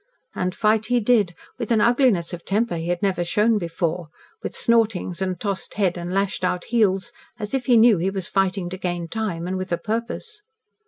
And fight he did, with an ugliness of temper he had never shown before with snortings and tossed head and lashed out heels, as if he knew he was fighting to gain time and with a purpose.